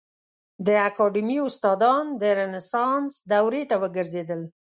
د اکاډمي استادان د رنسانس دورې ته وګرځېدل.